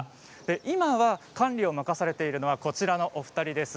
今は管理を任されているのはこちらのお二人です。